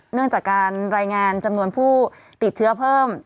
เนื่องจากการรายงานจำนวนผู้ติดเชื้อเพิ่ม